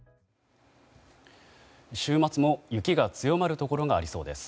週末も雪が強まるところがありそうです。